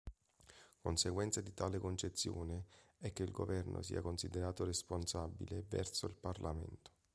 Conseguenza di tale concezione è che il governo sia considerato responsabile verso il parlamento.